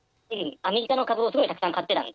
アメリカの株をすごいたくさん買ってたんで。